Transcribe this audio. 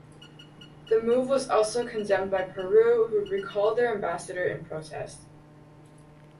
The move was also condemned by Peru, who recalled their ambassador in protest.